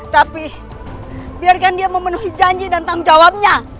tapi biarkan dia memenuhi janji dan tanggung jawabnya